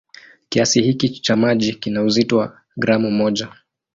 Kiasi hiki cha maji kina uzito wa gramu moja.